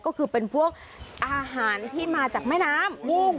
ก็คือเป็นพวกอาหารที่มาจากแม่น้ำมุ่ง